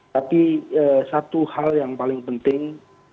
tapi satu hal yang paling penting